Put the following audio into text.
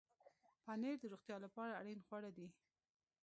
پنېر د روغتیا لپاره اړین خواړه دي.